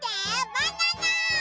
バナナ！